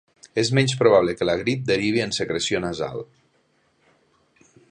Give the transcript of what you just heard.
És menys probable que la grip derivi en secreció nasal.